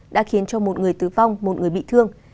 đã khiến cho một người tử vong một người bị thương